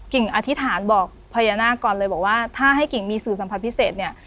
อธิษฐานบอกพญานาคก่อนเลยบอกว่าถ้าให้กิ่งมีสื่อสัมผัสพิเศษเนี่ย